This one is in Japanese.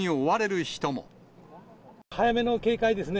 早めの警戒ですね。